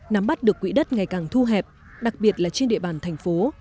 nắm bắt được quỹ đất ngày càng thu hẹp đặc biệt là trên địa bàn thành phố